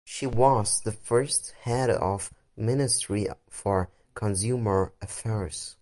She was the first head of the Ministry for Consumer Affairs.